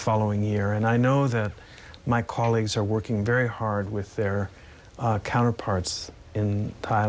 แล้วมีอะไรของเทศไทยและมาเลเซียในสถานการณ์ของที่๓